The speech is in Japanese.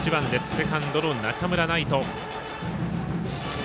セカンドの中村騎士。